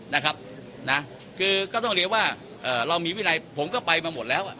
นะครับนะคือก็ต้องเรียกว่าเอ่อเรามีวินัยผมก็ไปมาหมดแล้วอ่ะ